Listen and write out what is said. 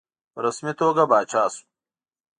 په رسمي توګه پاچا شو.